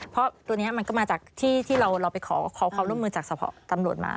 เพราะตัวนี้มันก็มาจากที่เราไปขอความร่วมมือจากเฉพาะตำรวจมา